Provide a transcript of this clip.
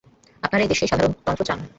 আপনারা এই দেশে সাধারণতন্ত্র চান।